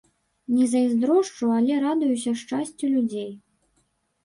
Не зайздрошчу, але радуюся шчасцю людзей.